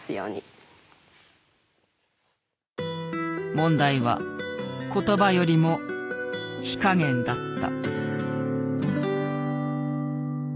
問題は言葉よりも火加減だった。